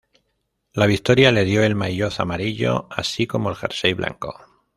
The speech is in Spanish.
La victoria le dio el maillot amarillo, así como el jersey blanco.